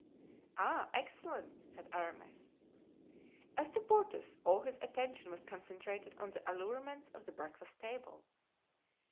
"Ah! excellent!" said Aramis. As to Porthos, all his attention was concentrated on the allurements of the breakfast table.